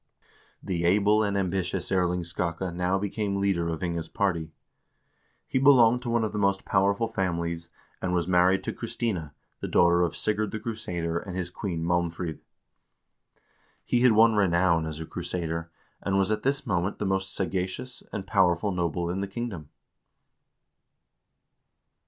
The able and ambitious Erling Skakke now became leader of Inge's party. He belonged to one of the most powerful families, and was married to Christina, the daughter of Sigurd the Crusader and his queen Malmfrid. He had won renown as a crusader, and was at this moment the most sagacious and powerful noble in the king dom.